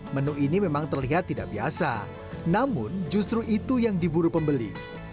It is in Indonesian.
menu ini memang terlihat tidak biasa namun justru itu yang diburu pembeli